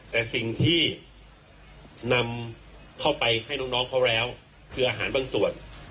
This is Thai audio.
แต่สิ่งที่นำเข้าไปให้น้องเขาแล้วคืออาหารบางส่วน